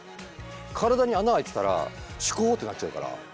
体に穴開いてたらシュコーってなっちゃうから。